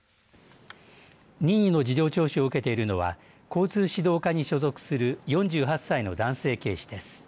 任意の事情聴取を受けているのは交通指導課に所属する４８歳の男性警視です。